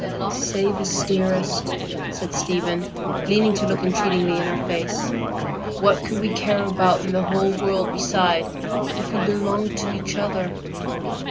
"Say 'yes,' dearest," said Stephen, leaning to look entreatingly in her face. "What could we care about in the whole world beside, if we belonged to each other?"